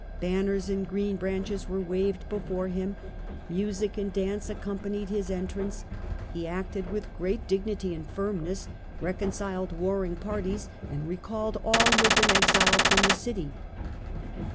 Banners and green branches were waved be fore him, music and dance accompanied his entrance. He acted with great dignity and firmness, reconciled warring parties and recalled all who had been exiled from the city.